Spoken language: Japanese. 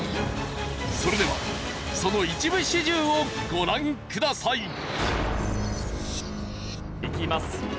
それではその一部始終をご覧ください。いきます。